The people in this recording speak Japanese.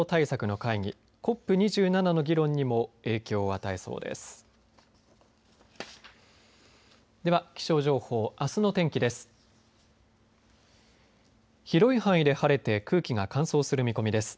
ＣＯＰ２７の議論にも影響を与えそうです。